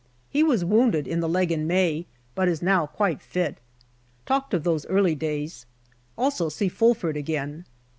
He was wounded in the leg in May, but is now quite fit. Talked of those early days. Also see Fulford again.